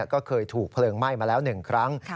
ก็เคยถูกเพลิงไหม้มาแล้ว๑ครั้ง